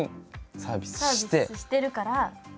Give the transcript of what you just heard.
サービスしてるから。